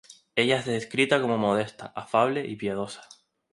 Ella es descrita como modesta, afable y piadosa.